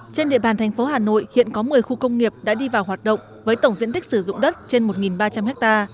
trên địa bàn thành phố hà nội hiện có một mươi khu công nghiệp đã đi vào hoạt động với tổng diện tích sử dụng đất trên một ba trăm linh ha